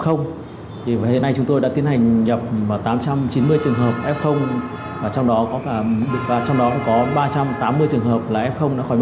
hiện nay chúng tôi đã tiến hành nhập tám trăm chín mươi trường hợp f và trong đó có ba trăm tám mươi trường hợp f